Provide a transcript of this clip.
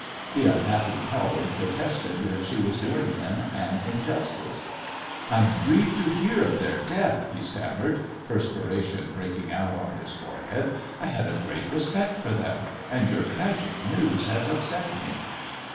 The unhappy coward protested that she was doing him an injustice. "I am grieved to hear of their death," he stammered, perspiration breaking out on his forehead. "I had a great respect for them, and your tragic news has upset me."